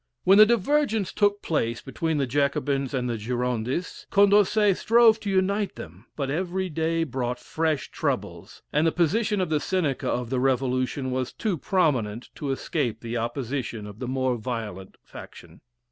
When the divergence took place between the Jacobins and Girondists, Condorcet strove to unite them; but every day brought fresh troubles, and the position of the Seneca of the Revolution was too prominent to escape the opposition of the more violent taction.